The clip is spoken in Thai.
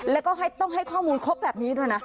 แล้วก็ต้องให้ข้อมูลครบแบบนี้ด้วยนะ